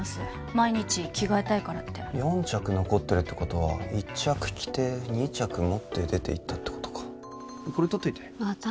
毎日着替えたいからって４着残ってるってことは１着着て２着持って出て行ったってことかこれ撮っといてまた？